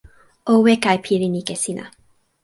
o weka e pilin ike sina.